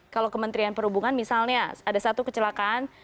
kalau kementerian perhubungan misalnya ada satu kecelakaan